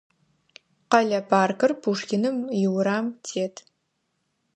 Къэлэ паркыр Пушкиным иурам тет.